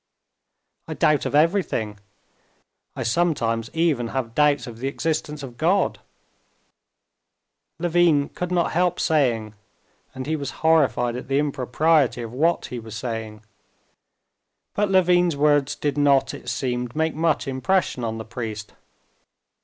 "I doubt of everything. I sometimes even have doubts of the existence of God," Levin could not help saying, and he was horrified at the impropriety of what he was saying. But Levin's words did not, it seemed, make much impression on the priest.